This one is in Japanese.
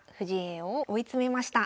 王を追い詰めました。